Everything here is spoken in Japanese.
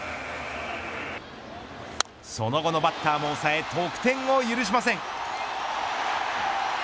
その後のバッターも抑え得点を許しません。